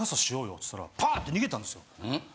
っつったらパッて逃げたんですよ。